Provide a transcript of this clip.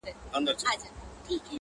که پاچا دی که امیر ګورته رسیږي!.